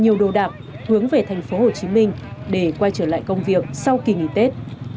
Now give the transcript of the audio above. nhiều đồ đạm hướng về thành phố hồ chí minh để quay trở lại công việc sau kỳ nghỉ tết